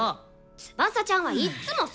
翼ちゃんはいっつもそう！